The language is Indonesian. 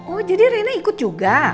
oh jadi rina ikut juga